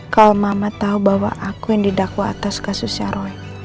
kalau mama tahu bahwa aku yang didakwa atas kasusnya roy